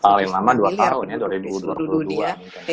paling lama dua tahun ya dua ribu dua puluh dua